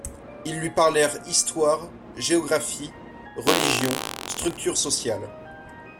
ils lui parlèrent histoire, géographie, religion, structures sociales